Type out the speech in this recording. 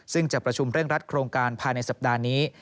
ซึ่งจะประชุมเร่งรัดโครงการภายในสัปดาห์นี้